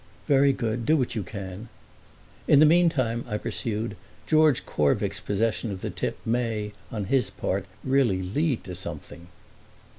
"Very good; do what you can." "In the meantime," I pursued, "George Corvick's possession of the tip may, on his part, really lead to something."